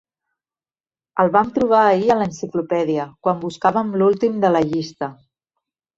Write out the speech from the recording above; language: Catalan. El vam trobar ahir a l'enciclopèdia quan buscàvem l'últim de la llista.